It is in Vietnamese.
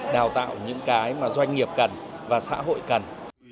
đào tạo những cái mà doanh nghiệp cần và xã hội cần